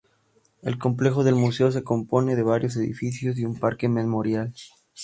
El complejo del museo se compone de varios edificios y un parque memorial.